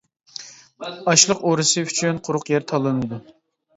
ئاشلىق ئورىسى ئۈچۈن قۇرۇق يەر تاللىنىدۇ.